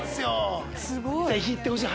ぜひ行ってほしい！